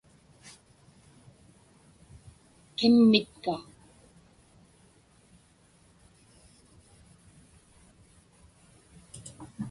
qimmitka